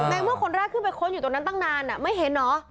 เมื่อคนแรกขึ้นไปค้นอยู่ตรงนั้นตั้งนานไม่เห็นเหรอ